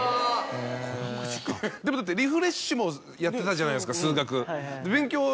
でもリフレッシュもやってたじゃないですか数学。